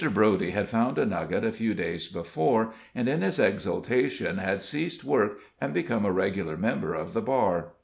Broady had found a nugget a few days before, and, in his exultation, had ceased work and become a regular member of the bar.